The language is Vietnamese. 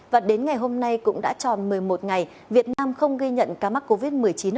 và đến ngày hôm nay cũng đã tròn một mươi một ngày việt nam không ghi nhận ca mắc covid một mươi chín nào